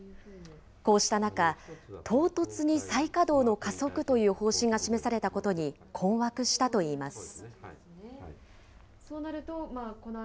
こうした中、唐突に再稼働の加速という方針が示されたことに、困惑したといいます。